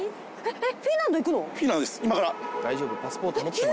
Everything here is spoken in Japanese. えっ？